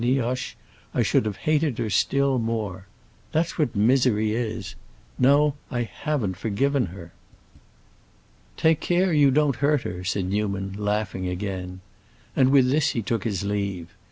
Nioche, "I should have hated her still more. That's what misery is. No, I haven't forgiven her." "Take care you don't hurt her!" said Newman, laughing again. And with this he took his leave.